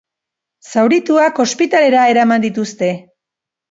Zaurituak ospitalera eraman dituzte.